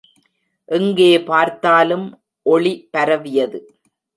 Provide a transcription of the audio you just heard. எங்கே பார்த்தாலும் ஒளி பரவியது.